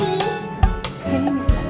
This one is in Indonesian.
selamat ulang tahun rena